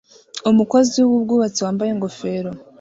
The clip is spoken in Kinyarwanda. Umukozi wubwubatsi wambaye ingofero